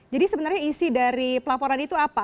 jadi sebenarnya isi dari pelaporan itu apa